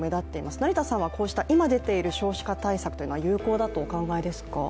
成田さんはこうした今出ている少子化対策は有効だとお考えですか？